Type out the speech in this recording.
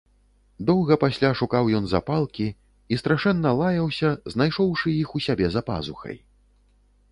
Доўга пасля шукаў ён запалкі і страшэнна лаяўся, знайшоўшы іх у сябе за пазухай.